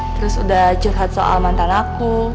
terus udah curhat soal mantan aku